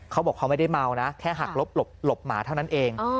เขาบอกเขาไม่ได้เมานะแค่หักหลบหมาเท่านั้นเอง